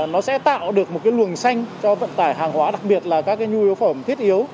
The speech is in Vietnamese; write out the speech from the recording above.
nó sẽ tạo được một cái luồng xanh cho vận tải hàng hóa đặc biệt là các nhu yếu phẩm thiết yếu